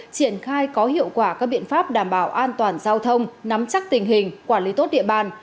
triển khai có hiệu quả các biện pháp đảm bảo an toàn giao thông nắm chắc tình hình quản lý tốt địa bàn